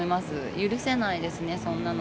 許せないですね、そんなの。